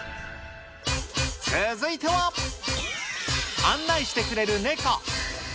続いては、案内してくれるネコ。